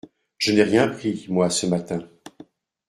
Je n’ai rien pris, moi, ce matin !